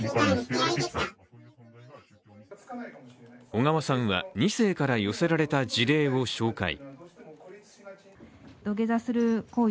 小川さんは２世から寄せられた事例を紹介。